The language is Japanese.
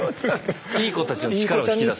良い子たちの力を引き出す。